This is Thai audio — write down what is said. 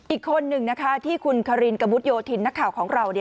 อีกคนนึงนะคะที่คุณคารินกระมุดโยธินนักข่าวของเรา